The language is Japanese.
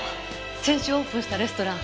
先週オープンしたレストラン。